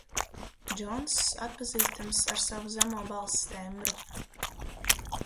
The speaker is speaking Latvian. Džonss atpazīstams ar savu zemo balss tembru.